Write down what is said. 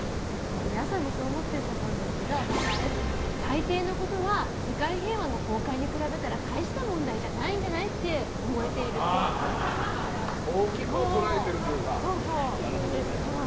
皆さんもそう思っていると思うんですけど大抵のことは世界平和の崩壊に比べたら大した問題じゃないんじゃない？って大きく捉えているというか。